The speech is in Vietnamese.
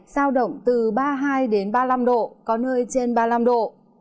sao động từ ba mươi hai ba mươi năm độ có nơi trên ba mươi năm độ